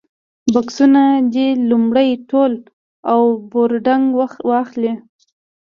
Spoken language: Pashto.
بکسونه دې لومړی تول او بورډنګ واخلي.